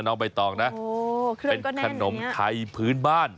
น้องใบตองนะโอ้โหเคลื่องก็แน่นอย่างเนี้ยเป็นขนมไทยพื้นบ้าน